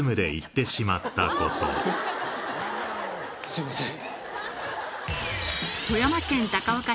すいません。